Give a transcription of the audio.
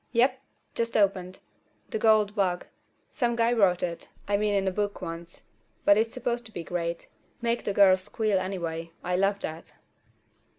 "Yup. Just opened. The Gold Bug. Some guy wrote it—I mean in a book once—but it's supposed to be great. Make the girls squeal anyway. I love that."